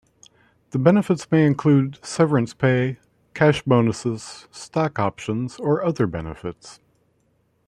The benefits may include severance pay, cash bonuses, stock options, or other benefits.